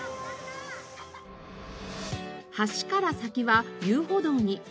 橋から先は遊歩道に。